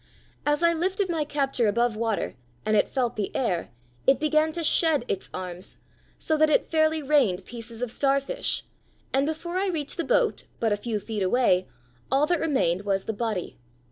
As I lifted my capture above water and it felt the air it began to shed its arms, so that it fairly rained pieces of starfish, and before I reached the boat, but a few feet away, all that remained was the body.